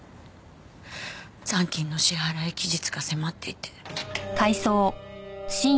残金の支払期日が迫っていて。